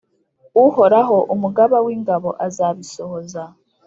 Uhoraho Umugaba w’ingabo azabisohoza,